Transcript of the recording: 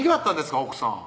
奥さん